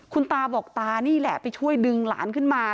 คุณตาบอกตานี่แหละไปช่วยดึงหลานขึ้นมา